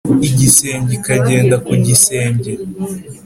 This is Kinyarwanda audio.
Igisenge ikagenda ku gisenge